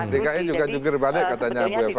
dki juga jungkir balik katanya bu eva